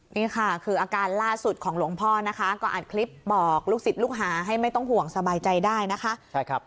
นี่ค่ะคืออาการล่าสุดของหลวงพ่อนะคะก็อัดคลิปบอกลูกศิษย์ลูกหาให้ไม่ต้องห่วงสบายใจได้นะคะ